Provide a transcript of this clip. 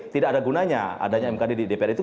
tidak ada gunanya adanya mkd di dpr itu